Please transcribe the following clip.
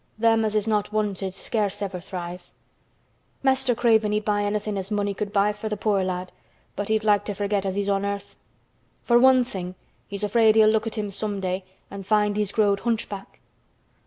Them as is not wanted scarce ever thrives. Mester Craven he'd buy anythin' as money could buy for th' poor lad but he'd like to forget as he's on earth. For one thing, he's afraid he'll look at him some day and find he's growed hunchback."